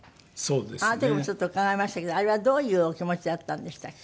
あの時もちょっと伺いましたけどあれはどういうお気持ちだったんでしたっけ？